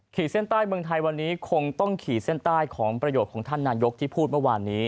ขีดเส้นใต้เมืองไทยวันนี้คงต้องขีดเส้นใต้ของประโยชน์ของท่านนายกที่พูดเมื่อวานนี้